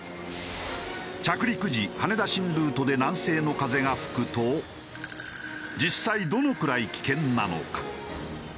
着陸時羽田新ルートで南西の風が吹くと実際どのくらい危険なのか？